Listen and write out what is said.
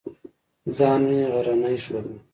ځان مې غرنی ښوده.